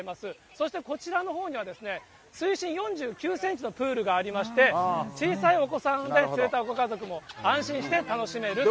そしてこちらのほうには、水深４９センチのプールがありまして、小さいお子さんを連れたご家族も安心して楽しめると。